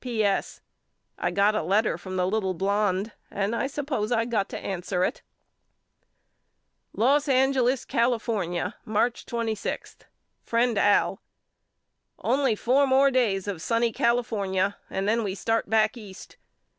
P. S. I got a letter from the little blonde and I suppose I got to answer it. Los Angeles , California, March 26. FRIEND AL: Only four more days of sunny California and then we start back East.